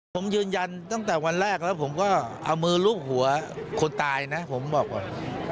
ผมยืนยันตั้งแต่วันแรกแล้วผมก็เอามือลุกหัวคนตายนะผมบอกก่อน